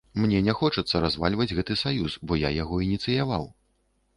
Мне не хочацца развальваць гэты саюз, бо я яго ініцыяваў.